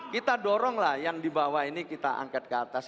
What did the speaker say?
kita doronglah yang di bawah ini kita angkat ke atas